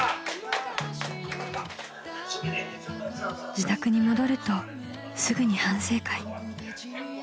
［自宅に戻るとすぐに反省会］